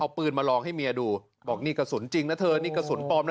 เอาปืนมาลองให้เมียดูบอกนี่กระสุนจริงนะเธอนี่กระสุนปลอมนะ